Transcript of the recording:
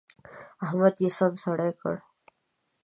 احمد يې سم سړی کړ.